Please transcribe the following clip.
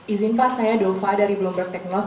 izin pak saya dova dari bloomberg technos